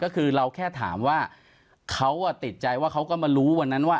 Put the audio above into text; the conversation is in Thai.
ก็คือเราแค่ถามว่าเขาติดใจว่าเขาก็มารู้วันนั้นว่า